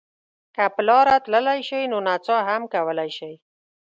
که په لاره تللی شئ نو نڅا هم کولای شئ.